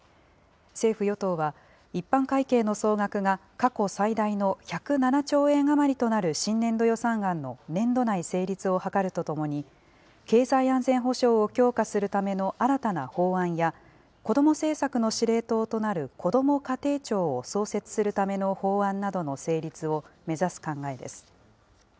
政府・与党は、一般会計の総額が過去最大の１０７兆円余りとなる新年度予算案の年度内成立を図るとともに、経済安全保障を強化するための新たな法案や、子ども政策の司令塔となるこども家庭庁を創設するための法案などの成立を目指す考えです。